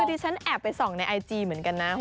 ดิฉันแอบไปส่องในไอจีเหมือนกันนะ